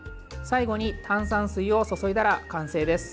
最後に炭酸水を注いだら完成です。